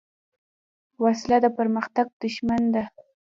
وسله د پرمختګ دښمن ده